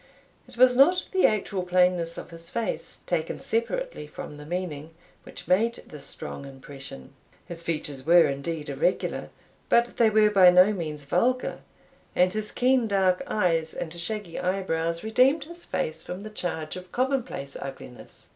It was not the actual plainness of his face, taken separately from the meaning, which made this strong impression. His features were, indeed, irregular, but they were by no means vulgar; and his keen dark eyes, and shaggy eyebrows, redeemed his face from the charge of commonplace ugliness.